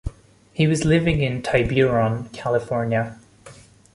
He was living in Tiburon, California.